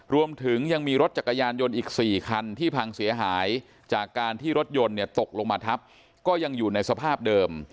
รวมถึงยังมีรถจักรยานยนต์อีก๔คันที่พังเสียหายจากการที่รถยนต์เนี่ยตกลงมาทับก็ยังอยู่ในสภาพเดิม